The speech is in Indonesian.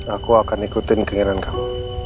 aku akan ikutin keinginan kamu